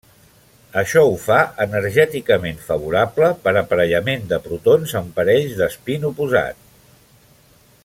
Això ho fa energèticament favorable per a aparellament de protons en parells d'espín oposat.